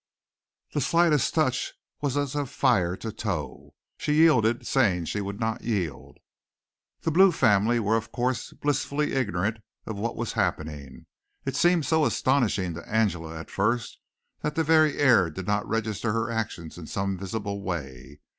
The slightest touch was as fire to tow. She yielded saying she would not yield. The Blue family were of course blissfully ignorant of what was happening. It seemed so astonishing to Angela at first that the very air did not register her actions in some visible way.